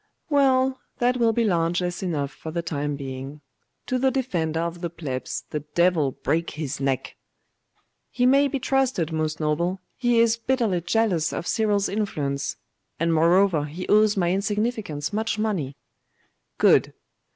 'Well, that will be largess enough for the time being. To the Defender of the Plebs the devil break his neck!' 'He may be trusted, most noble; he is bitterly jealous of Cyril's influence. And moreover, he owes my insignificance much money.' 'Good!